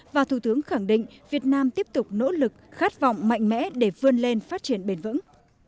và thủ tướng khẳng định việt nam tiếp tục nỗ lực khát vọng mạnh mẽ để vươn lên phát triển bền vững